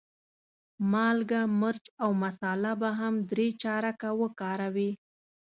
مالګه، مرچ او مساله به هم درې چارکه وکاروې.